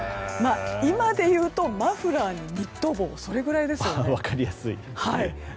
今でいうとマフラーにニット帽それぐらいですよね。